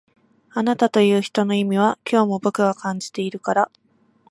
あなたという人の意味は今日も僕が感じてるから